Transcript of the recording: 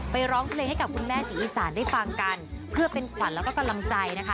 ร้องเพลงให้กับคุณแม่ศรีอีสานได้ฟังกันเพื่อเป็นขวัญแล้วก็กำลังใจนะคะ